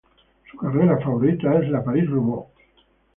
Su carrera favorita es la París-Roubaix.